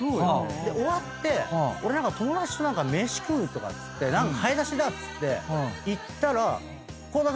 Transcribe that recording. で終わって俺何か友達と飯食うとかっつって買い出しだっつって行ったら倖田來未ちゃんがいて。